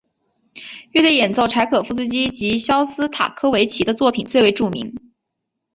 乐团演奏柴可夫斯基及肖斯塔科维奇的作品最为著名。